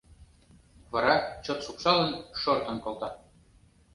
Вара, чот шупшалын, шортын колта.